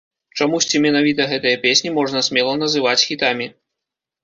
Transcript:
Чамусьці менавіта гэтыя песні можна смела называць хітамі.